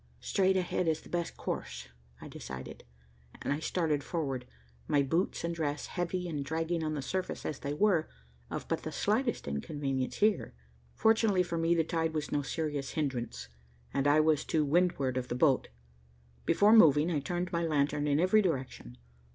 "Straight ahead is the best course," I decided, and I started forward, my boots and dress, heavy and dragging on the surface as they were, of but the slightest inconvenience here. Fortunately for me, the tide was no serious hindrance, and I was to windward of the boat. Before moving I turned my lantern in every direction.